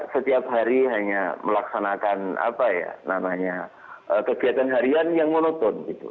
setiap hari hanya melaksanakan kegiatan harian yang monoton